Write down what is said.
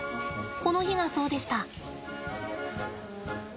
この日がそうでした。